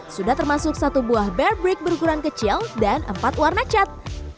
sudah termasuk satu buah barebrick berukuran kecil dan empat warna cat